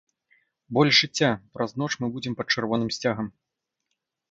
Больш жыцця, праз ноч мы будзем пад чырвоным сцягам!